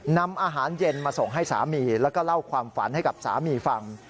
นำอาหารเย็นมาส่งให้สามีแล้วก็เล่าความฝันให้กับสามีฟัง